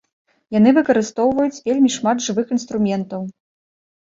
Яны выкарыстоўваюць вельмі шмат жывых інструментаў.